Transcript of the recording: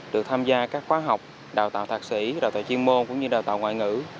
được tham gia các khóa học đào tạo thạc sĩ đào tạo chuyên môn cũng như đào tạo ngoại ngữ